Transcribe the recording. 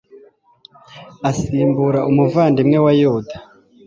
asimbura umuvandimwe we yuda